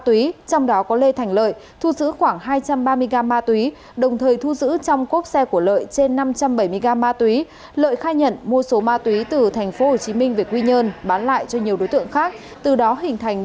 từ đó hình thành đường dây mua bán trái phép chất ma túy lớn nhất từ trước đến nay tại bình định